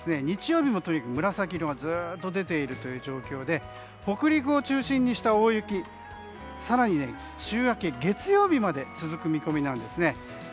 日曜日も紫色がずっと出ているという状況で北陸を中心にした大雪更に週明け月曜日まで続く見込みなんですね。